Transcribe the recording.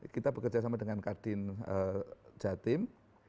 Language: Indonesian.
kita bekerja sama dengan kadin jatim